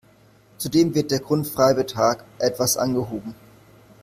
Zudem wird der Grundfreibetrag etwas angehoben.